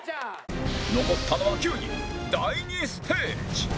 残ったのは９人第２ステージ